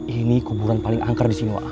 ini kuburan paling angker disini wak